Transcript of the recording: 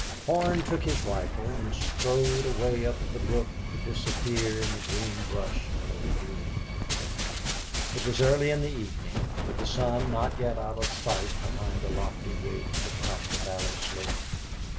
Horn took his rifle and strode away up the brook to disappear in the green brush of a ravine. It was early in the evening, with the sun not yet out of sight behind a lofty ridge that topped the valley slope.